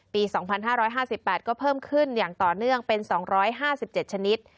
ปี๒๕๕๘ก็เพิ่มขึ้นอย่างต่อเนื่องเป็น๒๕๗ชนิด